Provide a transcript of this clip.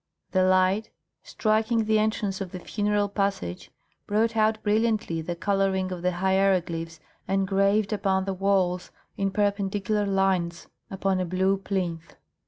The light, striking the entrance of the funeral passage, brought out brilliantly the colouring of the hieroglyphs engraved upon the walls in perpendicular lines upon a blue plinth.